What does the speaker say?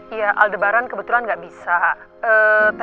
iya aldebaran kebetulan gak bisa